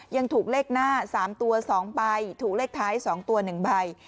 ยังถูกเลขหน้า๓ตัว๒ใบถูกเลขท้าย๒ตัว๑ใบ